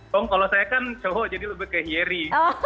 tong kalau saya kan cowok jadi lebih kayak yeri